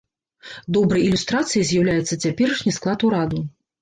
Добрай ілюстрацыяй з'яўляецца цяперашні склад ураду.